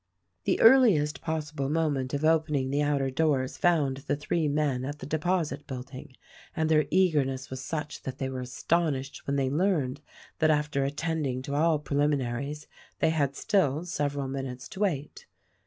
The earliest possible moment of opening the outer doors found the three men at the Deposit Building, and their eagerness was such that they were astonished when they learned that after attending to all preliminaries they had still several minutes to wait.